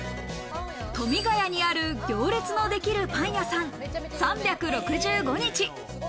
富ヶ谷にある行列のできるパン屋さん、３６５日。